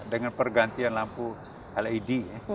dengan pergantian lampu led